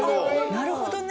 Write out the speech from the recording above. なるほどね！